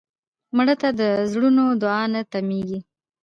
مړه ته د زړونو دعا نه تمېږي